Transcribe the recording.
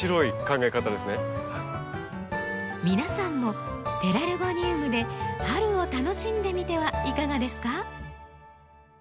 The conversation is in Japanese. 皆さんもペラルゴニウムで春を楽しんでみてはいかがですか？